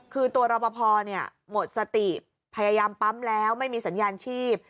คือตัวรอปภหมดสติพยายามปั๊มแล้วไม่มีสัญญาณชีพ